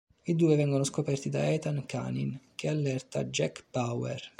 I due vengono scoperti da Ethan Kanin, che allerta Jack Bauer.